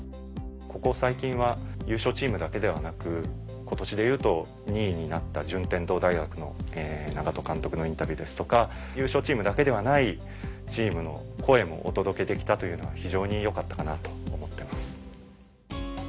ここ最近は優勝チームだけではなく今年でいうと２位になった順天堂大学の長門監督のインタビューですとか優勝チームだけではないチームの声もお届けできたというのは非常に良かったかなと思ってます。